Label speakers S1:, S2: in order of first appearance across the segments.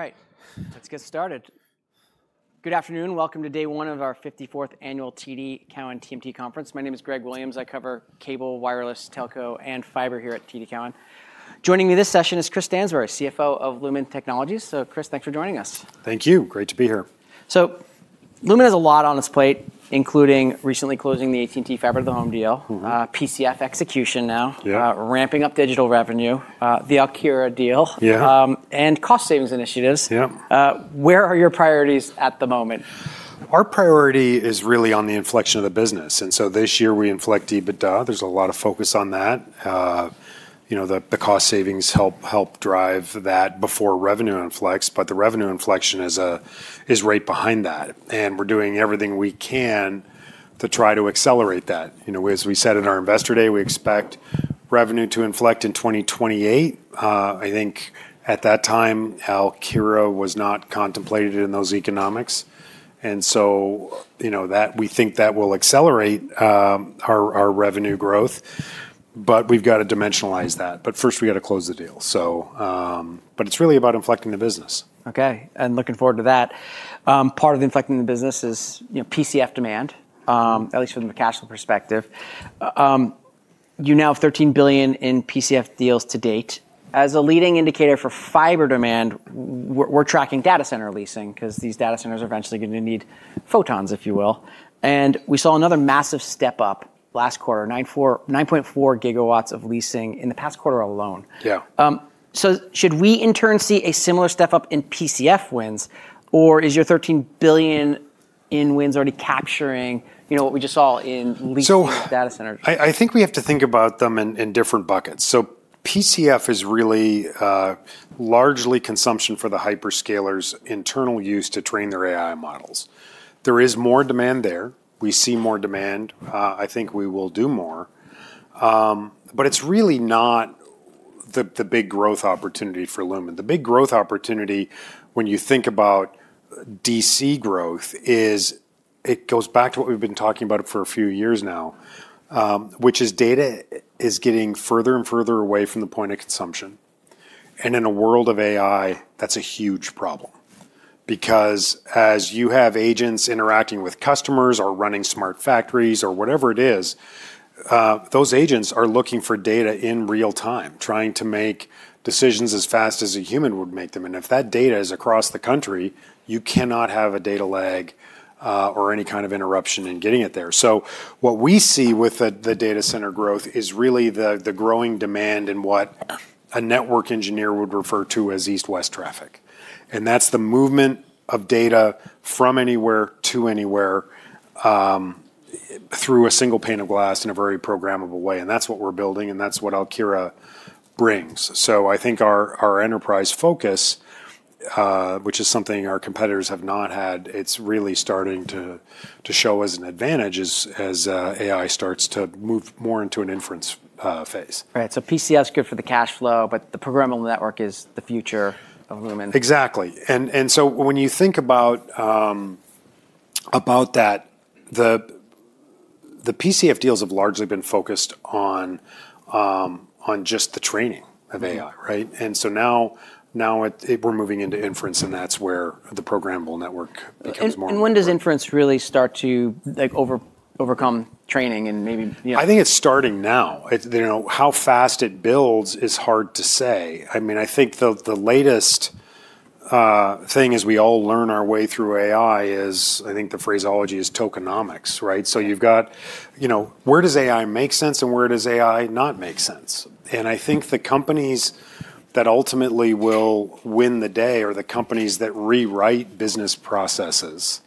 S1: All right. Let's get started. Good afternoon. Welcome to day one of our 54th annual TD Cowen TMT Conference. My name is Gregory Williams. I cover cable, wireless, telco, and fiber here at TD Cowen. Joining me this session is Chris Stansbury, CFO of Lumen Technologies. Chris, thanks for joining us.
S2: Thank you. Great to be here.
S1: Lumen has a lot on this plate, including recently closing the AT&T Fiber to the Home deal. PCF execution now.
S2: Yeah.
S1: Ramping up digital revenue, the Alkira deal-
S2: Yeah
S1: cost savings initiatives.
S2: Yeah.
S1: Where are your priorities at the moment?
S2: Our priority is really on the inflection of the business. This year we inflect EBITDA. There's a lot of focus on that. The cost savings help drive that before revenue inflects. The revenue inflection is right behind that, and we're doing everything we can to try to accelerate that. As we said in our investor day, we expect revenue to inflect in 2028. I think at that time, Alkira was not contemplated in those economics, and so we think that will accelerate our revenue growth, but we've got to dimensionalize that. First we got to close the deal. It's really about inflecting the business.
S1: Okay. Looking forward to that. Part of inflecting the business is PCF demand, at least from a cash flow perspective. You now have $13 billion in PCF deals to date. As a leading indicator for fiber demand, we're tracking data center leasing because these data centers are eventually going to need photons, if you will. We saw another massive step-up last quarter, 9.4 gigawatts of leasing in the past quarter alone.
S2: Yeah.
S1: Should we, in turn see a similar step-up in PCF wins, or is your $13 billion in wins already capturing what we just saw in leasing-?
S2: So-
S1: data centers?
S2: I think we have to think about them in different buckets. PCF is really largely consumption for the hyperscalers' internal use to train their AI models. There is more demand there. We see more demand. I think we will do more. It's really not the big growth opportunity for Lumen. The big growth opportunity when you think about DC growth is it goes back to what we've been talking about for a few years now, which is data is getting further and further away from the point of consumption. In a world of AI, that's a huge problem because as you have agents interacting with customers or running smart factories or whatever it is, those agents are looking for data in real time, trying to make decisions as fast as a human would make them. If that data is across the country, you cannot have a data lag, or any kind of interruption in getting it there. What we see with the data center growth is really the growing demand in what a network engineer would refer to as east-west traffic. That's the movement of data from anywhere to anywhere, through a single pane of glass in a very programmable way. That's what we're building, and that's what Alkira brings. I think our enterprise focus, which is something our competitors have not had, it's really starting to show as an advantage as AI starts to move more into an inference phase.
S1: Right. PCF's good for the cash flow, but the programmable network is the future of Lumen.
S2: Exactly. When you think about that the PCF deals have largely been focused on just the training of AI, right? Now we're moving into inference, and that's where the programmable network becomes more important.
S1: When does inference really start to overcome training?
S2: I think it's starting now. How fast it builds is hard to say. I think the latest thing as we all learn our way through AI is, I think the phraseology is tokenomics, right? You've got where does AI make sense and where does AI not make sense? I think the companies that ultimately will win the day are the companies that rewrite business processes,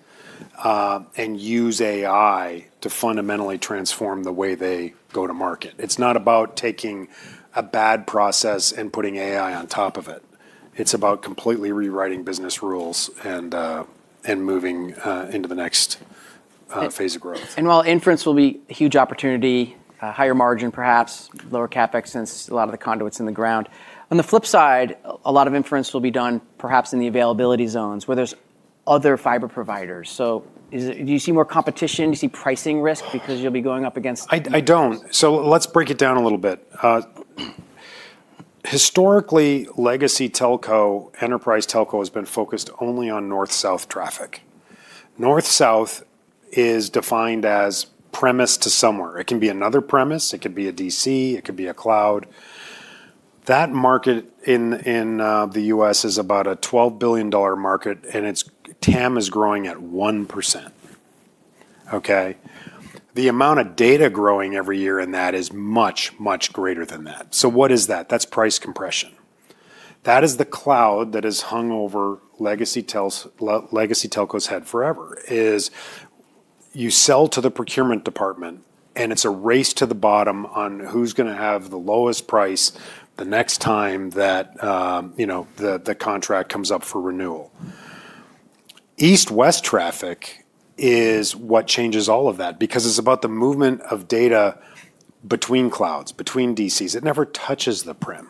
S2: and use AI to fundamentally transform the way they go to market. It's not about taking a bad process and putting AI on top of it. It's about completely rewriting business rules and moving into the next phase of growth.
S1: While inference will be a huge opportunity, a higher margin perhaps, lower CapEx since a lot of the conduit's in the ground. On the flip side, a lot of inference will be done perhaps in the availability zones where there's other fiber providers. Do you see more competition? Do you see pricing risk because you'll be going up against?
S2: I don't. Let's break it down a little bit. Historically, legacy telco, enterprise telco has been focused only on north-south traffic. North-south is defined as premise to somewhere. It can be another premise, it could be a DC, it could be a cloud. That market in the U.S. is about a $12 billion market, and its TAM is growing at 1%. Okay? The amount of data growing every year in that is much, much greater than that. What is that? That's price compression. That is the cloud that has hung over legacy telco's head forever, is you sell to the procurement department, and it's a race to the bottom on who's going to have the lowest price the next time that the contract comes up for renewal. East-west traffic is what changes all of that because it's about the movement of data between clouds, between DCs. It never touches the prem.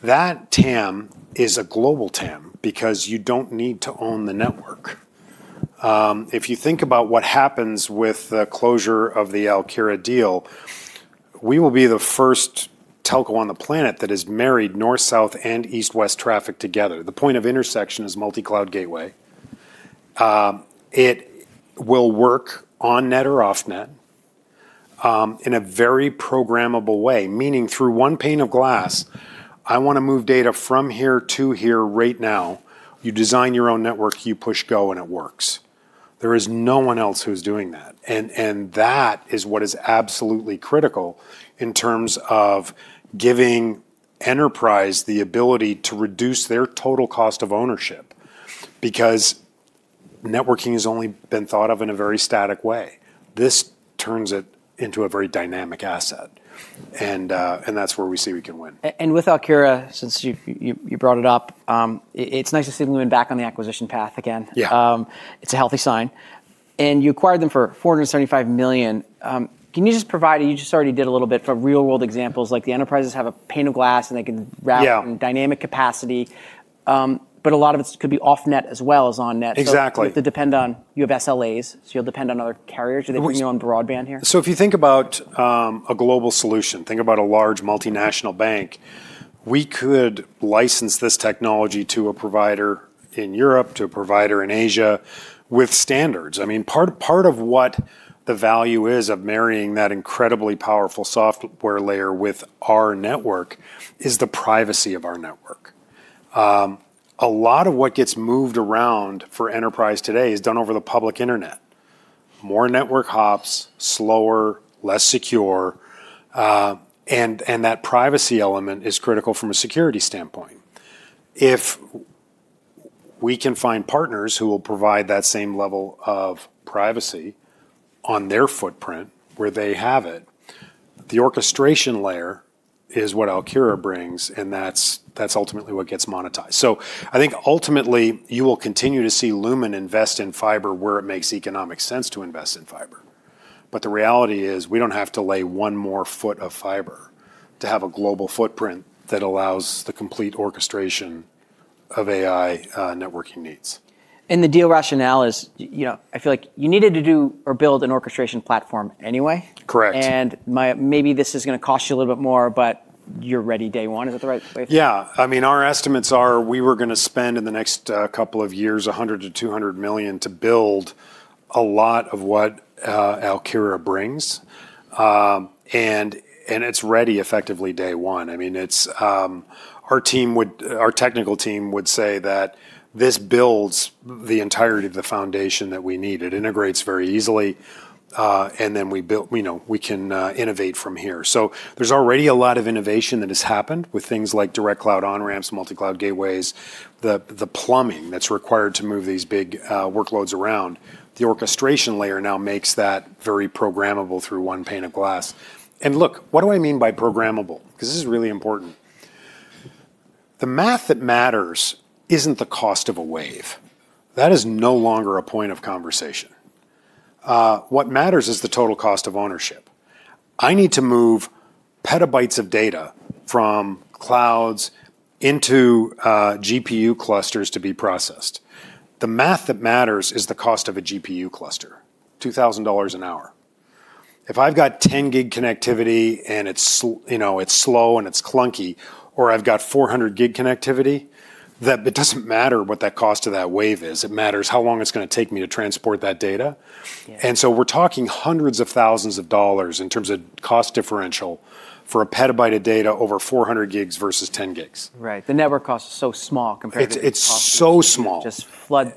S2: That TAM is a global TAM because you don't need to own the network. If you think about what happens with the closure of the Alkira deal, we will be the first telco on the planet that has married north-south traffic and east-west traffic together. The point of intersection is Multi-Cloud Gateway. It will work on-net or off-net in a very programmable way, meaning through one pane of glass, I want to move data from here to here right now. You design your own network, you push go. It works. There is no one else who's doing that. That is what is absolutely critical in terms of giving enterprise the ability to reduce their total cost of ownership, because networking has only been thought of in a very static way. This turns it into a very dynamic asset, and that's where we see we can win.
S1: With Alkira, since you brought it up, it's nice to see Lumen back on the acquisition path again.
S2: Yeah.
S1: It's a healthy sign. You acquired them for $475 million. Can you just provide, you just already did a little bit, for real-world examples, like the enterprises have a pane of glass?
S2: Yeah
S1: in dynamic capacity. A lot of it could be off-net as well as on-net.
S2: Exactly.
S1: You have SLAs, so you'll depend on other carriers. Do they bring you on broadband here?
S2: If you think about a global solution, think about a large multinational bank. We could license this technology to a provider in Europe, to a provider in Asia with standards. Part of what the value is of marrying that incredibly powerful software layer with our network is the privacy of our network. A lot of what gets moved around for enterprise today is done over the public internet. More network hops, slower, less secure and that privacy element is critical from a security standpoint. If we can find partners who will provide that same level of privacy on their footprint where they have it, the orchestration layer is what Alkira brings, and that's ultimately what gets monetized. I think ultimately you will continue to see Lumen invest in fiber where it makes economic sense to invest in fiber. The reality is we don't have to lay one more foot of fiber to have a global footprint that allows the complete orchestration of AI networking needs.
S1: The deal rationale is, I feel like you needed to do or build an orchestration platform anyway.
S2: Correct.
S1: Maybe this is going to cost you a little bit more, but you're ready day one. Is that the right way?
S2: Yeah. Our estimates are we were going to spend, in the next couple of years, $100 million-$200 million to build a lot of what Alkira brings. It's ready effectively day one. Our technical team would say that this builds the entirety of the foundation that we need. It integrates very easily, then we can innovate from here. There's already a lot of innovation that has happened with things like direct cloud on-ramps, Multi-Cloud Gateways, the plumbing that's required to move these big workloads around. The orchestration layer now makes that very programmable through one pane of glass. Look, what do I mean by programmable? Because this is really important. The math that matters isn't the cost of a wave. That is no longer a point of conversation. What matters is the total cost of ownership. I need to move petabytes of data from clouds into GPU clusters to be processed. The math that matters is the cost of a GPU cluster, $2,000 an hour. If I've got 10 gig connectivity and it's slow and it's clunky, or I've got 400 gig connectivity, it doesn't matter what that cost of that wave is. It matters how long it's going to take me to transport that data.
S1: Yeah.
S2: We're talking hundreds of thousands of dollars in terms of cost differential for a petabyte of data over 400 gigs versus 10 gigs.
S1: Right. The network cost is so small compared to the cost-
S2: It's so small.
S1: of just flood.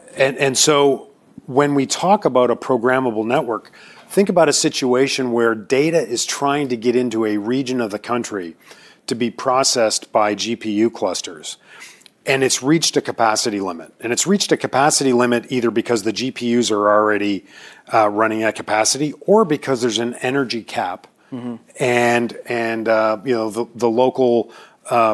S2: When we talk about a programmable network, think about a situation where data is trying to get into a region of the country to be processed by GPU clusters, and it's reached a capacity limit. It's reached a capacity limit either because the GPUs are already running at capacity or because there's an energy cap. The local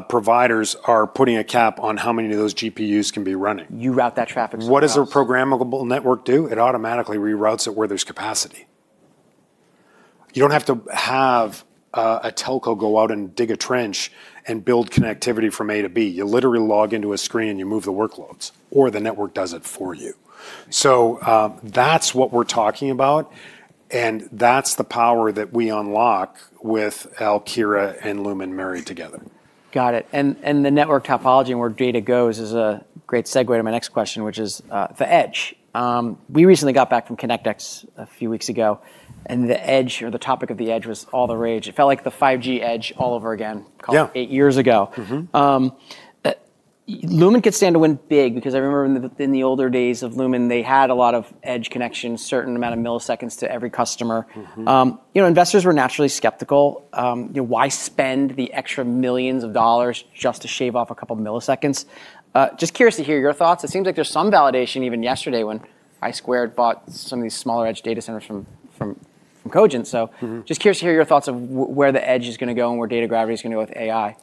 S2: providers are putting a cap on how many of those GPUs can be running.
S1: You route that traffic somewhere else.
S2: What does a programmable network do? It automatically reroutes it where there's capacity. You don't have to have a telco go out and dig a trench and build connectivity from A to B. You literally log into a screen, you move the workloads, or the network does it for you. That's what we're talking about, that's the power that we unlock with Alkira and Lumen married together.
S1: Got it. The network topology and where data goes is a great segue to my next question, which is the edge. We recently got back from Connect (X) a few weeks ago, and the edge, or the topic of the edge was all the rage. It felt like the 5G edge all over again.
S2: Yeah
S1: eight years ago. Lumen could stand to win big because I remember in the older days of Lumen, they had a lot of edge connections, a certain amount of milliseconds to every customer. Investors were naturally skeptical. Why spend the extra $ millions just to shave off a couple milliseconds? Just curious to hear your thoughts. It seems like there's some validation, even yesterday when I Squared bought some of these smaller edge data centers from Cogent. Just curious to hear your thoughts of where the edge is going to go and where data gravity is going to go with AI?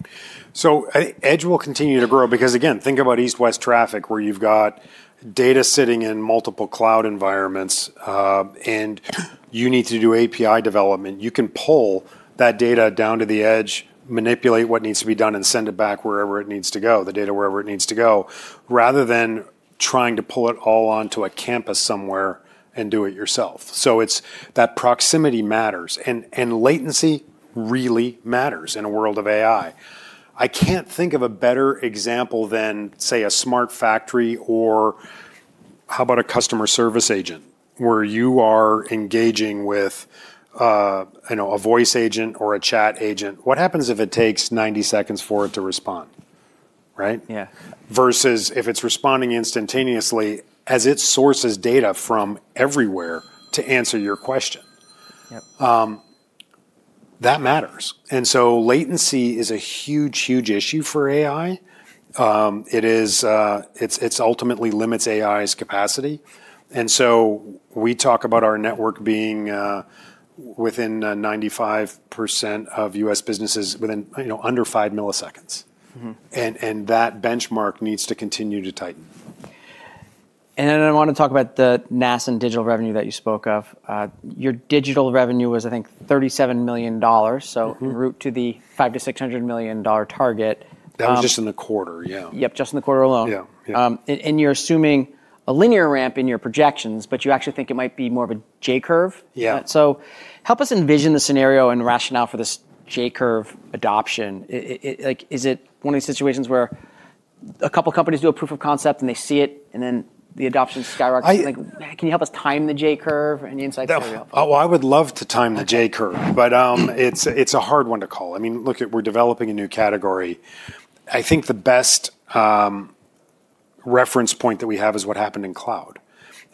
S2: Edge will continue to grow because again, think about east-west traffic, where you've got data sitting in multiple cloud environments, and you need to do API development. You can pull that data down to the edge, manipulate what needs to be done, and send it back wherever it needs to go, the data, wherever it needs to go, rather than trying to pull it all onto a campus somewhere and do it yourself. It's that proximity matters, and latency really matters in a world of AI. I can't think of a better example than, say, a smart factory. How about a customer service agent where you are engaging with a voice agent or a chat agent? What happens if it takes 90 seconds for it to respond, right?
S1: Yeah.
S2: Versus if it's responding instantaneously as it sources data from everywhere to answer your question.
S1: Yep.
S2: That matters. Latency is a huge issue for AI. It ultimately limits AI's capacity. We talk about our network being within 95% of U.S. businesses within under five milliseconds. That benchmark needs to continue to tighten.
S1: I want to talk about the NaaS and digital revenue that you spoke of. Your digital revenue was, I think, $37 million. Route to the $500 million-$600 million target.
S2: That was just in the quarter, yeah.
S1: Yep, just in the quarter alone.
S2: Yeah.
S1: You're assuming a linear ramp in your projections, but you actually think it might be more of a J curve?
S2: Yeah.
S1: Help us envision the scenario and rationale for this J-curve adoption. Is it one of these situations where a couple companies do a proof of concept and they see it, and then the adoption skyrockets? Can you help us time the J-curve? Any insight there would be helpful.
S2: I would love to time the J-curve, it's a hard one to call. Look, we're developing a new category. I think the best reference point that we have is what happened in cloud.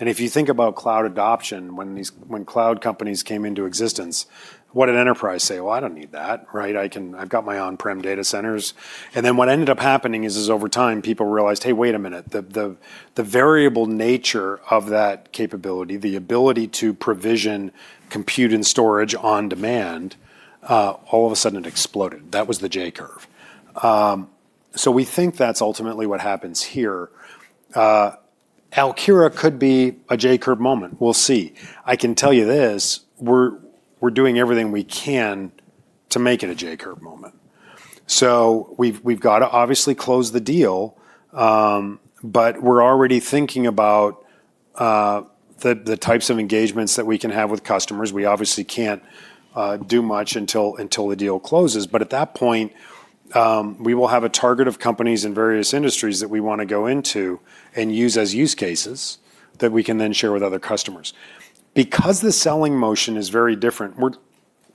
S2: If you think about cloud adoption, when cloud companies came into existence, what did enterprise say? Well, I don't need that. I've got my on-prem data centers. What ended up happening is over time, people realized, hey, wait a minute. The variable nature of that capability, the ability to provision, compute, and storage on demand all of a sudden it exploded. That was the J-curve. We think that's ultimately what happens here. Alkira could be a J-curve moment. We'll see. I can tell you this, we're doing everything we can to make it a J-curve moment. We've got to obviously close the deal, but we're already thinking about the types of engagements that we can have with customers. We obviously can't do much until the deal closes. At that point, we will have a target of companies in various industries that we want to go into and use as use cases that we can then share with other customers. The selling motion is very different,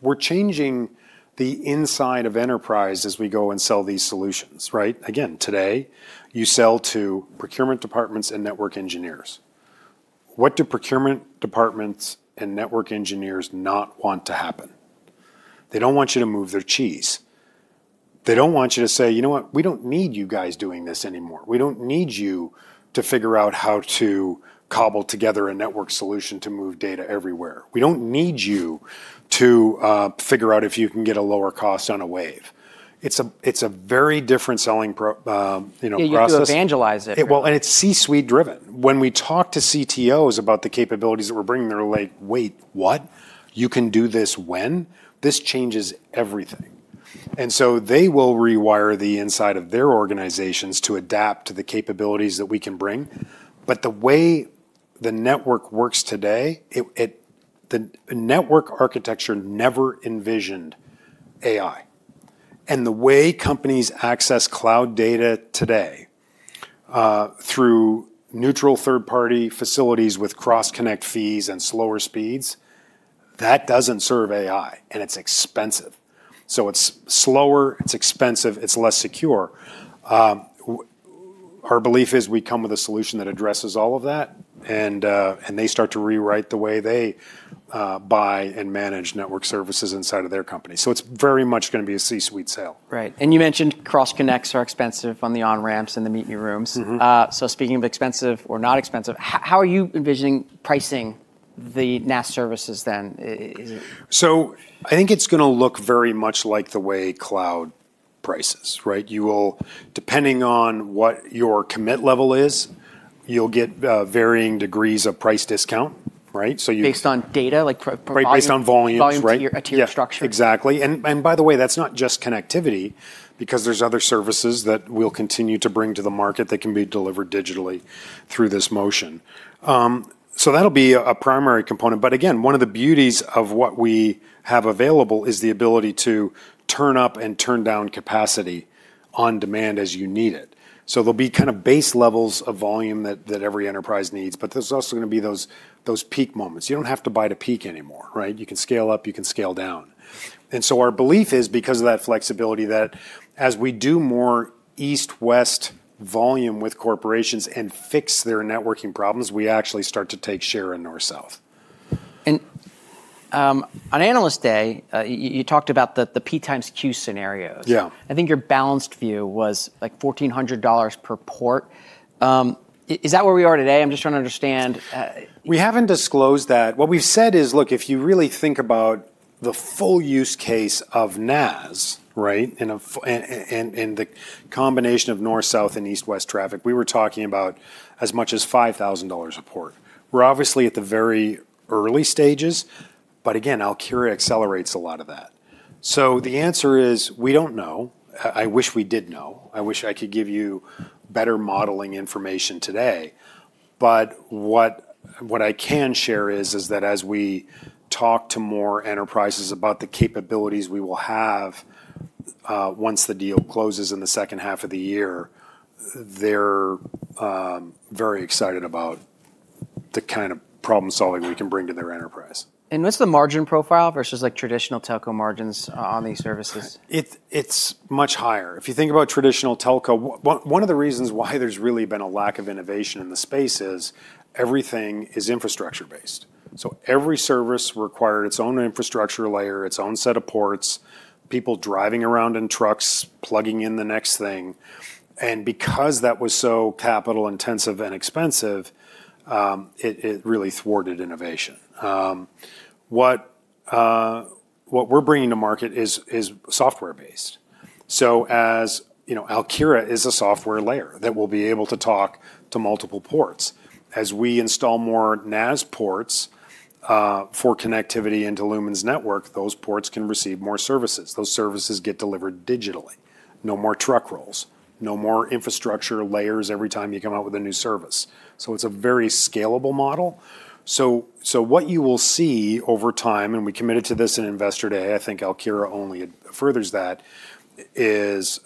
S2: we're changing the inside of enterprise as we go and sell these solutions. Again, today, you sell to procurement departments and network engineers. What do procurement departments and network engineers not want to happen? They don't want you to move their cheese. They don't want you to say, "You know what? We don't need you guys doing this anymore. We don't need you to figure out how to cobble together a network solution to move data everywhere. We don't need you to figure out if you can get a lower cost on a wave." It's a very different selling process.
S1: Yeah, you have to evangelize it.
S2: It's C-suite driven. When we talk to CTOs about the capabilities that we're bringing, they're like, "Wait, what? You can do this when. This changes everything." They will rewire the inside of their organizations to adapt to the capabilities that we can bring. The way the network works today, the network architecture never envisioned AI. The way companies access cloud data today, through neutral third-party facilities with cross-connect fees and slower speeds, that doesn't serve AI, and it's expensive. It's slower, it's expensive, it's less secure. Our belief is we come with a solution that addresses all of that, and they start to rewrite the way they buy and manage network services inside of their company. It's very much going to be a C-suite sale.
S1: Right. You mentioned cross-connects are expensive on the on-ramps and the meet room. Speaking of expensive or not expensive, how are you envisioning pricing the NaaS services then?
S2: I think it's going to look very much like the way cloud prices. You will, depending on what your commit level is, you'll get varying degrees of price discount.
S1: Based on data, like per volume.
S2: Based on volumes.
S1: volume to your structure.
S2: Exactly. By the way, that's not just connectivity because there's other services that we'll continue to bring to the market that can be delivered digitally through this motion. That'll be a primary component, but again, one of the beauties of what we have available is the ability to turn up and turn down capacity on demand as you need it. There'll be base levels of volume that every enterprise needs, but there's also going to be those peak moments. You don't have to buy to peak anymore. You can scale up, you can scale down. Our belief is because of that flexibility, that as we do more east-west volume with corporations and fix their networking problems, we actually start to take share in north-south.
S1: On Analyst Day, you talked about the P times Q scenarios.
S2: Yeah.
S1: I think your balanced view was like $1,400 per port. Is that where we are today? I'm just trying to understand.
S2: We haven't disclosed that. What we've said is, look, if you really think about the full use case of NaaS and the combination of north-south traffic and east-west traffic, we were talking about as much as $5,000 a port. We're obviously at the very early stages, but again, Alkira accelerates a lot of that. The answer is we don't know. I wish we did know. I wish I could give you better modeling information today. What I can share is that as we talk to more enterprises about the capabilities we will have once the deal closes in the second half of the year, they're very excited about the kind of problem-solving we can bring to their enterprise.
S1: What's the margin profile versus traditional telco margins on these services?
S2: It's much higher. If you think about traditional telco, one of the reasons why there's really been a lack of innovation in the space is everything is infrastructure based. Every service required its own infrastructure layer, its own set of ports, people driving around in trucks plugging in the next thing. Because that was so capital intensive and expensive, it really thwarted innovation. What we're bringing to market is software based. As Alkira is a software layer that will be able to talk to multiple ports. As we install more NaaS ports for connectivity into Lumen's network, those ports can receive more services. Those services get delivered digitally. No more truck rolls. No more infrastructure layers every time you come out with a new service. It's a very scalable model. What you will see over time, and we committed to this in Investor Day, I think Alkira only furthers that, is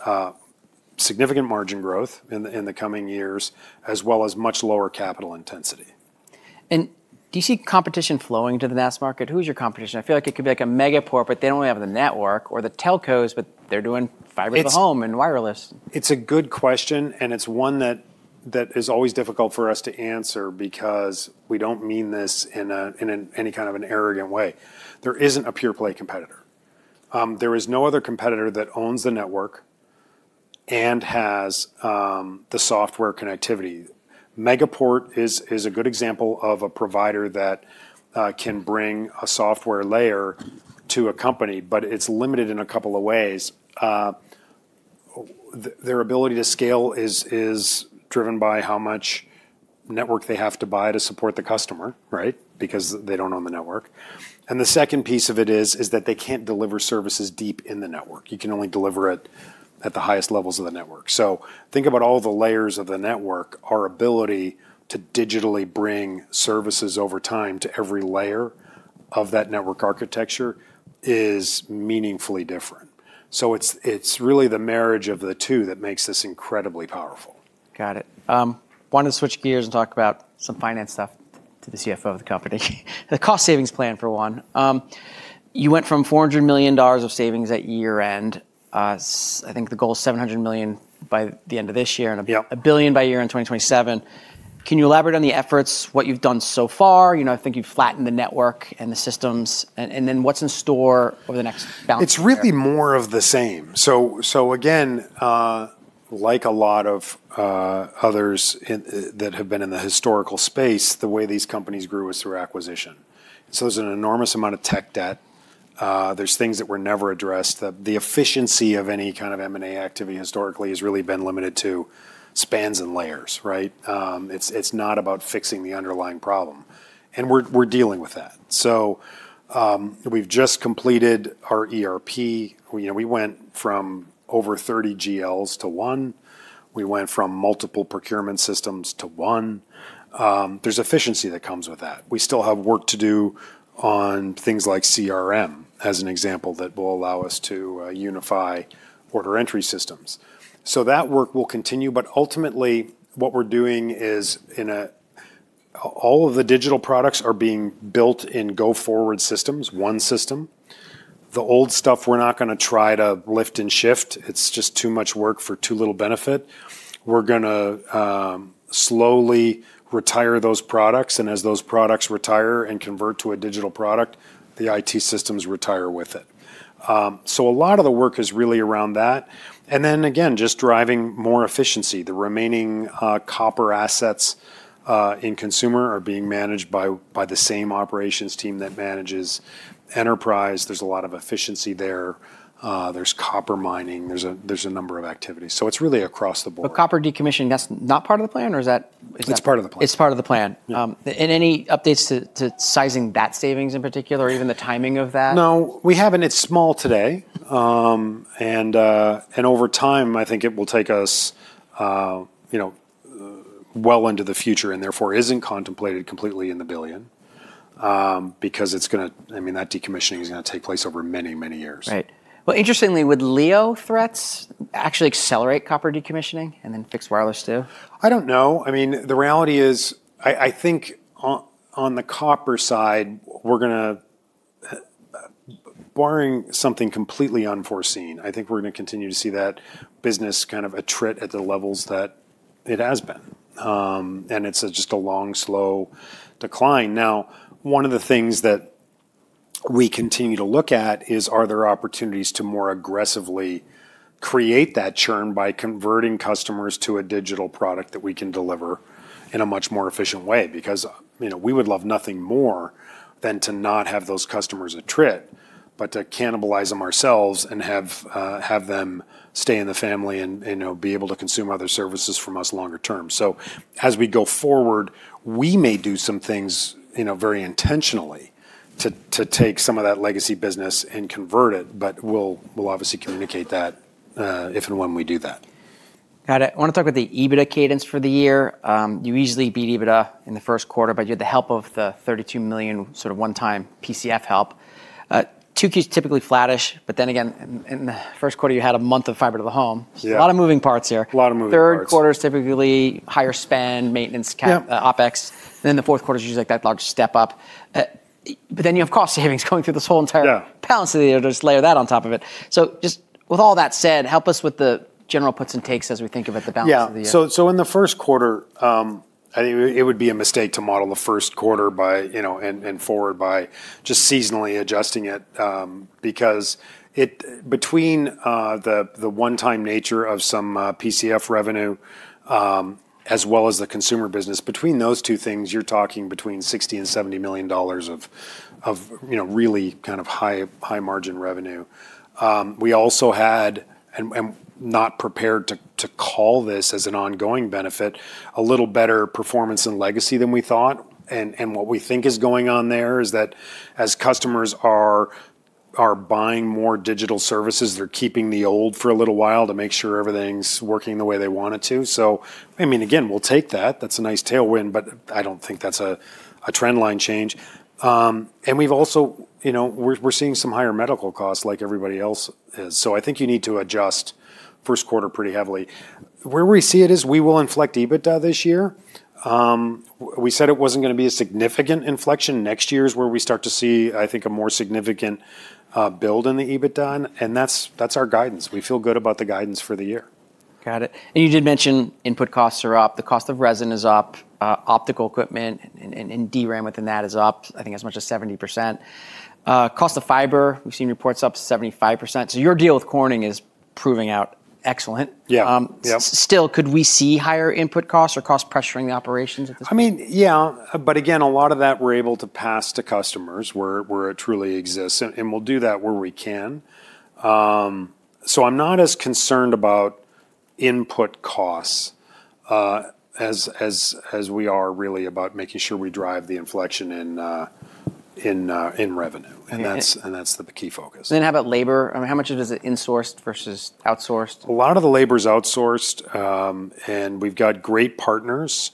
S2: significant margin growth in the coming years, as well as much lower capital intensity.
S1: Do you see competition flowing to the NaaS market? Who's your competition? I feel like it could be like a Megaport, but they don't have the network, or the telcos, but they're doing Fiber to the Home and wireless.
S2: It's a good question, and it's one that is always difficult for us to answer because we don't mean this in any kind of an arrogant way. There isn't a pure play competitor. There is no other competitor that owns the network and has the software connectivity. Megaport is a good example of a provider that can bring a software layer to a company, but it's limited in a couple of ways. Their ability to scale is driven by how much network they have to buy to support the customer, because they don't own the network. The second piece of it is that they can't deliver services deep in the network. You can only deliver it at the highest levels of the network. Think about all the layers of the network. Our ability to digitally bring services over time to every layer of that network architecture is meaningfully different. It's really the marriage of the two that makes this incredibly powerful.
S1: Got it. Want to switch gears and talk about some finance stuff to the CFO of the company. The cost savings plan, for one. You went from $400 million of savings at year-end. I think the goal is $700 million by the end of this year-
S2: Yeah
S1: $1 billion by year-end 2027. Can you elaborate on the efforts, what you've done so far? I think you've flattened the network and the systems. What's in store over the next balance from there?
S2: It's really more of the same. Again, like a lot of others that have been in the historical space, the way these companies grew was through acquisition. There's an enormous amount of tech debt. There's things that were never addressed. The efficiency of any kind of M&A activity historically has really been limited to spans and layers. It's not about fixing the underlying problem, and we're dealing with that. We've just completed our ERP. We went from over 30 GLs to one. We went from multiple procurement systems to one. There's efficiency that comes with that. We still have work to do on things like CRM, as an example, that will allow us to unify order entry systems. That work will continue, but ultimately what we're doing is all of the digital products are being built in go-forward systems, one system. The old stuff, we're not going to try to lift and shift. It's just too much work for too little benefit. We're going to slowly retire those products, and as those products retire and convert to a digital product, the IT systems retire with it. A lot of the work is really around that. Again, just driving more efficiency. The remaining copper assets in consumer are being managed by the same operations team that manages enterprise. There's a lot of efficiency there. There's copper mining, there's a number of activities. It's really across the board.
S1: copper decommissioning, that's not part of the plan?
S2: It's part of the plan.
S1: It's part of the plan.
S2: Yeah.
S1: Any updates to sizing that savings in particular, or even the timing of that?
S2: No, we haven't. It's small today. Over time, I think it will take us well into the future and therefore isn't contemplated completely in the billion, because that decommissioning is going to take place over many, many years.
S1: Right. Well, interestingly, would LEO threats actually accelerate copper decommissioning and then fix wireless, too?
S2: I don't know. The reality is, I think on the copper side, barring something completely unforeseen, I think we're going to continue to see that business kind of attrit at the levels that it has been. It's just a long, slow decline. One of the things that we continue to look at is are there opportunities to more aggressively create that churn by converting customers to a digital product that we can deliver in a much more efficient way? We would love nothing more than to not have those customers attrit, but to cannibalize them ourselves and have them stay in the family and be able to consume other services from us longer term. As we go forward, we may do some things very intentionally to take some of that legacy business and convert it, but we'll obviously communicate that if and when we do that.
S1: Got it. I want to talk about the EBITDA cadence for the year. You easily beat EBITDA in the first quarter, but you had the help of the $32 million sort of one-time PCF help. 2Q is typically flattish, but then again, in the first quarter, you had a month of Fiber to the Home.
S2: Yeah.
S1: A lot of moving parts here.
S2: A lot of moving parts.
S1: Third quarter is typically higher spend, maintenance.
S2: Yeah
S1: OpEx. The fourth quarter is usually that large step up. You have cost savings coming through this whole entire.
S2: Yeah
S1: balance of the year. Just layer that on top of it. Just with all that said, help us with the general puts and takes as we think about the balance of the year.
S2: Yeah. In the first quarter, I think it would be a mistake to model the first quarter and forward by just seasonally adjusting it. Because between the one-time nature of some PCF revenue, as well as the consumer business, between those two things, you're talking between $60 million and $70 million of really kind of high margin revenue. We also had, and I'm not prepared to call this as an ongoing benefit, a little better performance in legacy than we thought. What we think is going on there is that as customers are buying more digital services, they're keeping the old for a little while to make sure everything's working the way they want it to. I mean, again, we'll take that. That's a nice tailwind, but I don't think that's a trend line change. We've also, we're seeing some higher medical costs like everybody else is. I think you need to adjust first quarter pretty heavily. Where we see it is we will inflect EBITDA this year. We said it wasn't going to be a significant inflection. Next year's where we start to see, I think, a more significant build in the EBITDA, and that's our guidance. We feel good about the guidance for the year.
S1: Got it. You did mention input costs are up, the cost of resin is up, optical equipment and DRAM within that is up, I think as much as 70%. Cost of fiber, we've seen reports up to 75%. Your deal with Corning is proving out excellent.
S2: Yeah.
S1: Could we see higher input costs or costs pressuring the operations at this point?
S2: I mean, yeah. Again, a lot of that we're able to pass to customers where it truly exists, and we'll do that where we can. I'm not as concerned about input costs, as we are really about making sure we drive the inflection in revenue. That's the key focus.
S1: How about labor? I mean, how much of is it insourced versus outsourced?
S2: A lot of the labor's outsourced, and we've got great partners.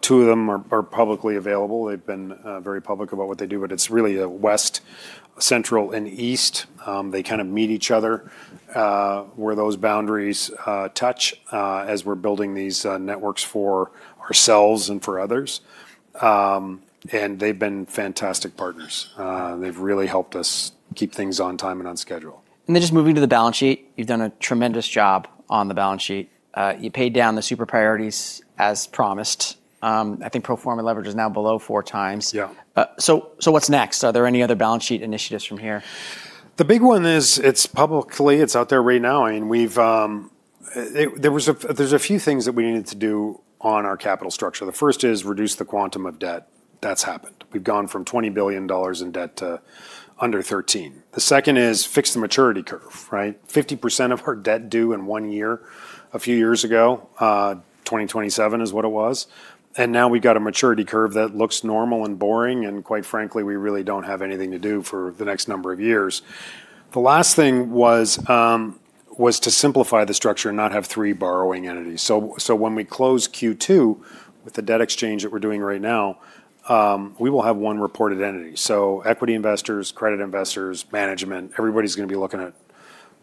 S2: Two of them are publicly available. They've been very public about what they do, but it's really a west, central, and east. They kind of meet each other, where those boundaries touch, as we're building these networks for ourselves and for others. And they've been fantastic partners. They've really helped us keep things on time and on schedule.
S1: Just moving to the balance sheet, you've done a tremendous job on the balance sheet. You paid down the super priorities as promised. I think pro forma leverage is now below four times.
S2: Yeah.
S1: What's next? Are there any other balance sheet initiatives from here?
S2: The big one is, it's publicly, it's out there right now, there's a few things that we needed to do on our capital structure. The first is reduce the quantum of debt. That's happened. We've gone from $20 billion in debt to under $13 billion. The second is fix the maturity curve, right? 50% of our debt due in one year, a few years ago, 2027 is what it was. Now we've got a maturity curve that looks normal and boring, and quite frankly, we really don't have anything to do for the next number of years. The last thing was to simplify the structure and not have three borrowing entities. When we close Q2 with the debt exchange that we're doing right now, we will have one reported entity. Equity investors, credit investors, management, everybody's going to be looking at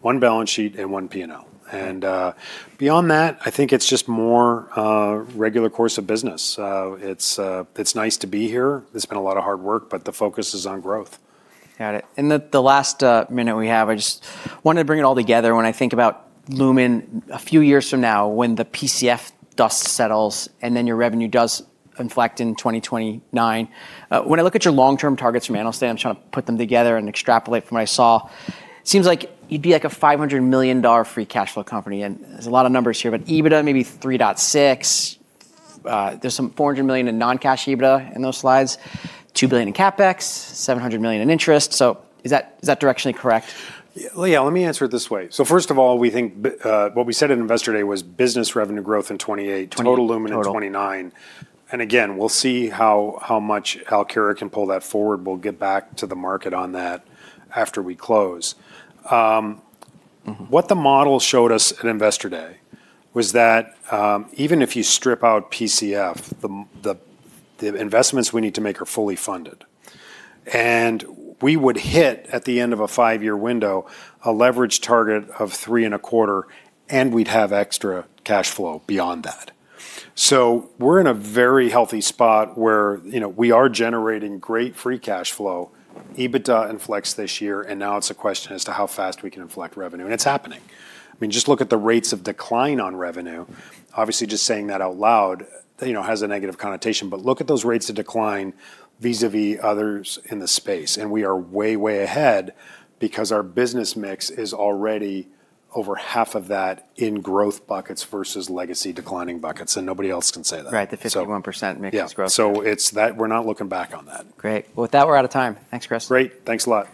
S2: one balance sheet and one P&L. Beyond that, I think it's just more regular course of business. It's nice to be here. It's been a lot of hard work, but the focus is on growth.
S1: Got it. In the last minute we have, I just want to bring it all together. When I think about Lumen a few years from now, when the PCF dust settles, and then your revenue does inflect in 2029. When I look at your long-term targets from analyst day, I'm trying to put them together and extrapolate from what I saw. It seems like you'd be like a $500 million free cash flow company, and there's a lot of numbers here, but EBITDA maybe $3.6. There's some $400 million in non-cash EBITDA in those slides. $2 billion in CapEx, $700 million in interest. Is that directionally correct?
S2: Yeah, let me answer it this way. first of all, what we said at Investor Day was business revenue growth in 2028.
S1: 20 total.
S2: Total Lumen in 2029. Again, we'll see how much Alkira can pull that forward. We'll get back to the market on that after we close. What the model showed us at Investor Day was that, even if you strip out PCF, the investments we need to make are fully funded. We would hit, at the end of a five-year window, a leverage target of three and a quarter, and we'd have extra cash flow beyond that. We're in a very healthy spot where we are generating great free cash flow. EBITDA inflects this year. Now it's a question as to how fast we can inflect revenue, and it's happening. I mean, just look at the rates of decline on revenue. Obviously, just saying that out loud has a negative connotation, but look at those rates of decline vis-à-vis others in the space. We are way ahead because our business mix is already over half of that in growth buckets versus legacy declining buckets, and nobody else can say that.
S1: Right, the 51% mix is growth.
S2: Yeah. We're not looking back on that.
S1: Great. With that, we're out of time. Thanks, Chris.
S2: Great. Thanks a lot.